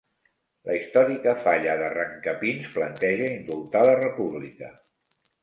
La històrica Falla d'Arrancapins planteja indultar la República